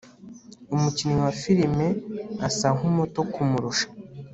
Umukinnyi wa filime asa nkumuto kumurusha